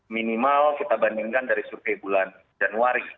minimal kita bandingkan dari survei bulan januari